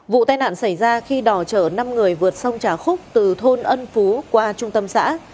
vụ tai nạn xảy ra khi đò chở năm người vượt sông trà khúc từ thôn ân phú qua trung tâm xã